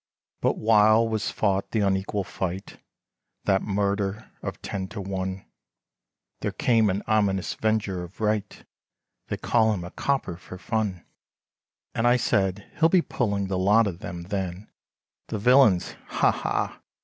But while was fought the unequal fight, That murder of ten to one, There came an ominous venger of right, They call him a copper for fun, And I said he'll be pulling the lot of them; then The villians ha! ha!